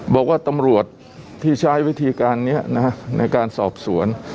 บอกว่าตำรวจที่ใช้วิธีการนี้ในการสอบสวน